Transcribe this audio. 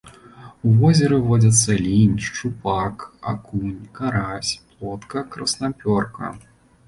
У возеры водзяцца лінь, шчупак, акунь, карась, плотка, краснапёрка.